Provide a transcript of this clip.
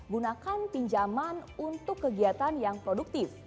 gunakan pinjaman untuk kegiatan yang produktif